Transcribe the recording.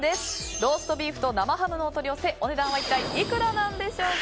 ローストビーフと生ハムのお取り寄せお値段は一体いくらなんでしょうか。